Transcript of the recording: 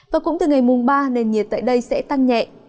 và cũng từ ngày mùng ba nền nhiệt tại đây sẽ tăng nhẹ